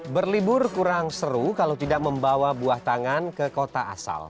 berlibur kurang seru kalau tidak membawa buah tangan ke kota asal